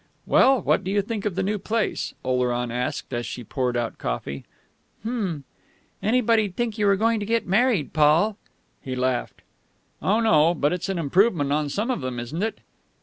"Well, what do you think of the new place?" Oleron asked as she poured out coffee. "Hm!... Anybody'd think you were going to get married, Paul." He laughed. "Oh no. But it's an improvement on some of them, isn't it?"